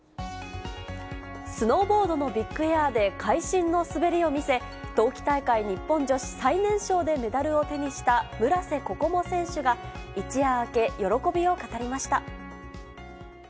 スノーボードのビッグエアで会心の滑りを見せ、冬季大会日本女子最年少でメダルを手にした村瀬心椛選手が、一夜明け、喜びを語りました。